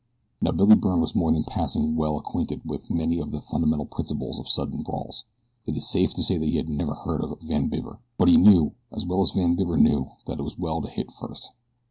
Now Billy Byrne was more than passing well acquainted with many of the fundamental principles of sudden brawls. It is safe to say that he had never heard of Van Bibber; but he knew, as well as Van Bibber knew, that it is well to hit first.